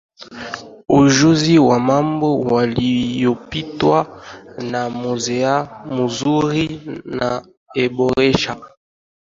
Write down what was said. ujuzi wa mambo waliyopitia na mazoea mazuri na huboresha